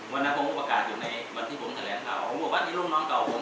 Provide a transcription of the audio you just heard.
วันนั้นผมอุปกรณ์อยู่ในวันที่ผมแถลงกล่าวผมบอกว่าที่ร่วมน้องเก่าผม